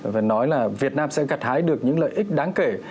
phải nói là việt nam sẽ gặt hái được những lợi ích đáng kể